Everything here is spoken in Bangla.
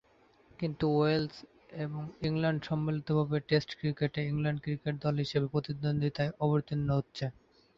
কিন্তু ওয়েলস এবং ইংল্যান্ড সম্মিলিতভাবে টেস্ট ক্রিকেটে ইংল্যান্ড ক্রিকেট দল হিসেবে প্রতিদ্বন্দ্বিতায় অবতীর্ণ হচ্ছে।